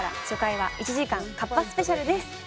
初回は１時間カッパスペシャルです。